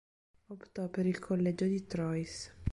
Optò per il collegio di Troyes.